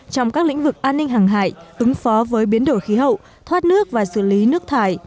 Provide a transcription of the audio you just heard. trong các lĩnh vực an ninh hàng hải ứng phó với biến đổi khí hậu thoát nước và xử lý nước thải